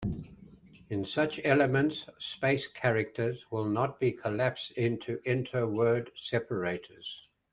In such elements, space characters will not be "collapsed" into inter-word separators.